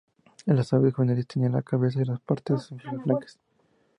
Las aves juveniles tienen la cabeza y las partes inferiores blancas.